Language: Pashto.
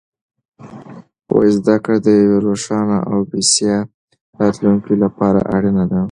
زده کړه د یوې روښانه او بسیا راتلونکې لپاره اړینه ده.